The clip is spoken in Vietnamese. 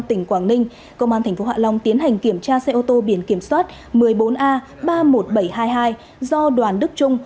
tỉnh quảng ninh công an tp hạ long tiến hành kiểm tra xe ô tô biển kiểm soát một mươi bốn a ba mươi một nghìn bảy trăm hai mươi hai do đoàn đức trung